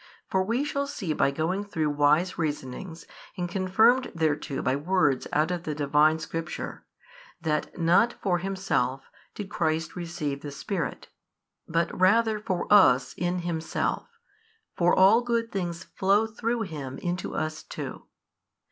For we shall see by going through wise reasonings, and confirmed thereto by words out of the Divine Scripture, that not for Himself did Christ receive the Spirit, but rather for us in Himself, for all good things flow through Him into us too.